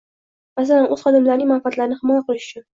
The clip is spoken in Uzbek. masalan, o‘z xodimlarining manfaatlarini himoya qilish uchun